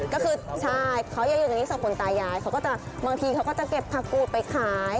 ก็คือใช่เขายังอยู่ตรงนี้สองคนตายายเขาก็จะบางทีเขาก็จะเก็บผักกูดไปขาย